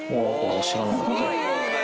知らなかった。